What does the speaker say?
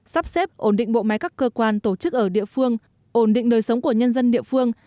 sắp xếp ổn định bộ máy các cơ quan tổ chức ở địa phương ổn định đời sống của nhân dân địa phương